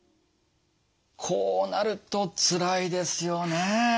こうなるとつらいですよね。